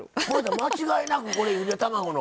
間違いなくこれゆで卵の。